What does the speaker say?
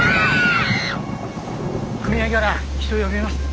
組合がら人呼びます。